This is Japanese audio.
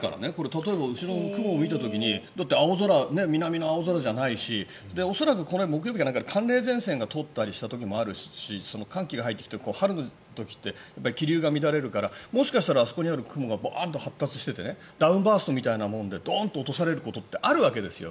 例えば、後ろの雲を見た時に南、青空じゃないし恐らく、これ、木曜日とかで寒冷前線が通った時もあるし寒気が入ってきて春の時って気流が乱れるからもしかしたらあそこにある雲が発達していてダウンバーストみたいなものでドンと落とされることってあるわけですよ。